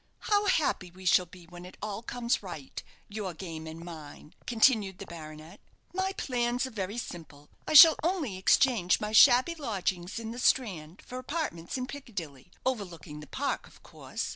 How happy we shall be when it all comes right your game and mine!" continued the baronet. "My plans are very simple. I shall only exchange my shabby lodgings in the Strand for apartments in Piccadilly, overlooking the Park, of course.